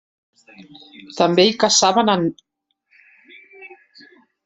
També hi caçaven ant.